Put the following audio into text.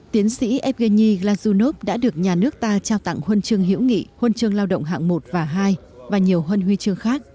tiến sĩ evgeny glazunov đã được nhà nước ta trao tặng huân chương hữu nghị huân chương lao động hạng một và hai và nhiều huân huy chương khác